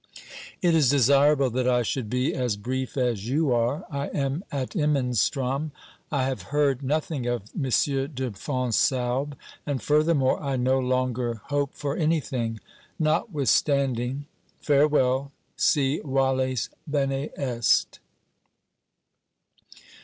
It is desirable that I should be as brief as you are. I am at Imenstrom. I have heard nothing of M. de Fonsalbe, and furthermore, I no longer hope for anything. Notwithstanding. ... Farewell. Si vales, bene est.